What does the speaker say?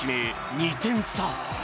２点差。